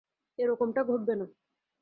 এরকমটা ঘটবে না।